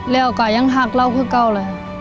แล้วก็ยังหักเราก็ก้าวเลย